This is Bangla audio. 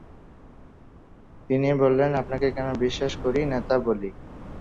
তিনি বললেন, আপনাকে কেন বিশ্বাস করি নে তা বলি।